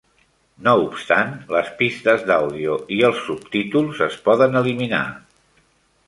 No obstant, les pistes d'àudio i els subtítols es poden eliminar.